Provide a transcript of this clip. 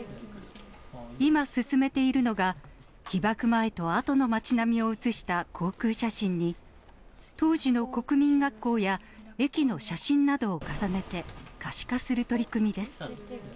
今、進めているのが、被爆前と後の街並みを写した航空写真に、当時の国民学校や駅の写真などを重ねて可視化する取り組みです。